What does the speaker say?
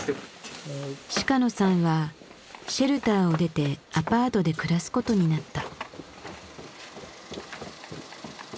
鹿野さんはシェルターを出てアパートで暮らすことになった。